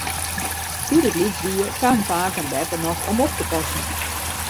Doe't ik lyts wie, kamen pake en beppe noch om op te passen.